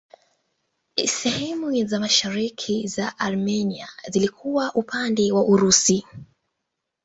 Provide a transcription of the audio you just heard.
Sehemu za mashariki za Armenia zilikuwa upande wa Urusi.